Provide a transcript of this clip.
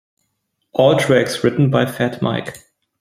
All tracks written by Fat Mike.